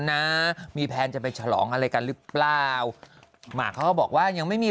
นะมีแพลนจะไปฉลองอะไรกันหรือเปล่าหมากเขาก็บอกว่ายังไม่มี